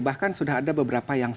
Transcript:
bahkan sudah ada beberapa yang